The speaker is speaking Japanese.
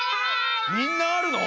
みんなあるの？